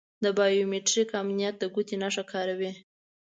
د بایو میتریک امنیت د ګوتې نښه کاروي.